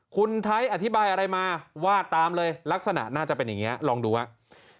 คุณไทยอธิบายอะไรมาวาดตามเลยลักษณะน่าจะเป็นอย่างนี้ลองดูครับ